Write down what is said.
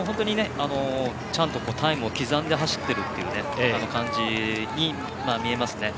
ちゃんとタイムを刻んで走っているという感じに見えます。